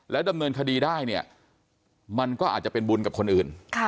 ดำเนินคดีได้เนี่ยมันก็อาจจะเป็นบุญกับคนอื่น